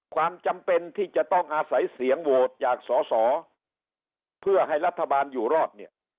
ความจำเป็นที่จะต้องอาศัยเสียงโหวตจากสอสอเพื่อให้รัฐบาลอยู่รอดเนี่ย